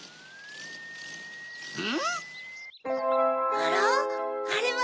あら？あれは。